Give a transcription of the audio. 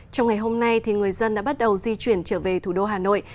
trong ngày hôm nay người dân đã bắt đầu di chuyển trở về thủ đô hà nội